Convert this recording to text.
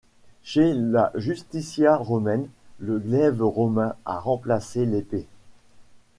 Chez la Justitia romaine, le glaive romain a remplacé l'épée.